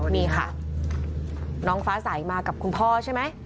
นี่ค่ะน้องฟ้าใสมากับคุณพ่อใช่ไหม